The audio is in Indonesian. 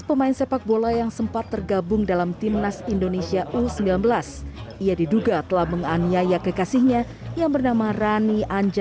pemukulan yang terjadi di jogja jogja jogja